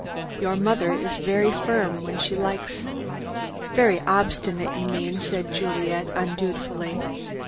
"Your mother is very firm when she likes." "Very obstinate, you mean," said Juliet, undutifully.